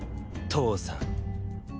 父さん？